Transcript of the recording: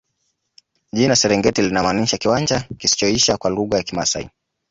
jina la serengeti linamaanisha kiwanja kisichoisha kwa lugha ya kimaasai